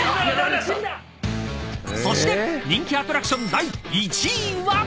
［そして人気アトラクション第１位は］